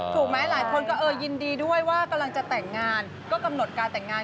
ถูกไหมหลายคนก็ยินดีด้วยว่ากำหนดการแต่งงาน